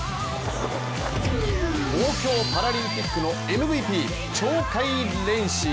東京パラリンピックのＭＶＰ鳥海連志。